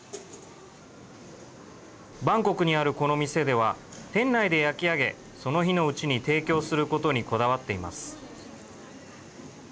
バンコクにある、この店では店内で焼き上げその日のうちに提供することにこだわっています。